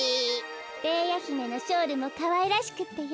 ベーヤひめのショールもかわいらしくってよ。